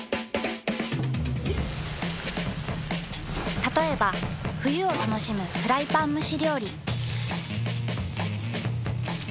たとえば冬を楽しむフライパン蒸し料理。